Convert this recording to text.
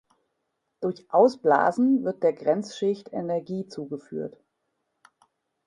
Durch Ausblasen wird der Grenzschicht Energie zugeführt.